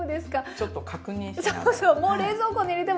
ちょっと確認しながら。